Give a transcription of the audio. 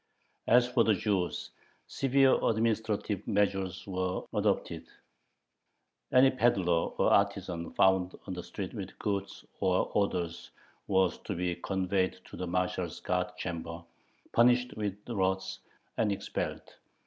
As for the Jews, severe administrative measures were adopted: any peddler or artisan found on the street with goods or orders was to be conveyed to the marshal's guard chamber, punished with rods, and expelled.